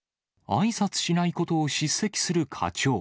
あいさつしないことを叱責する課長。